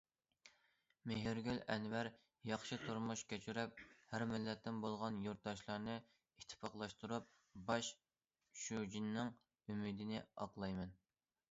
مېھرىگۈل ئەنۋەر: ياخشى تۇرمۇش كەچۈرۈپ، ھەر مىللەتتىن بولغان يۇرتداشلارنى ئىتتىپاقلاشتۇرۇپ، باش شۇجىنىڭ ئۈمىدىنى ئاقلايمەن.